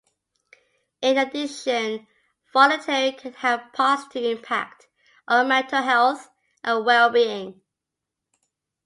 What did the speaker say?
In addition, volunteering can have a positive impact on mental health and well-being.